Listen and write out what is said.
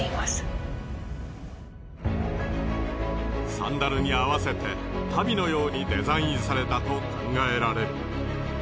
サンダルに合わせて足袋のようにデザインされたと考えられる。